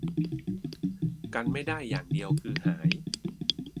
กันไม่ได้อย่างเดียวคือหาย